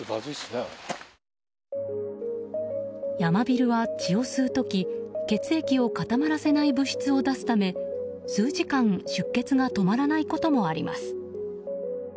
ヤマビルは血を吸う時血液を固まらせない物質を出すため数時間、出血が止まらないこともあります。